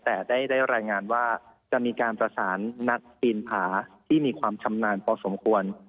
แต่ได้รายงานว่าจะมีการประสานนักปีนผาที่มีความชำนาญพอสมควร